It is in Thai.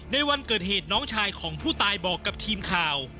ในวันเกิดเหตุน้องชายของผู้ตายบอกกับทีมข่าว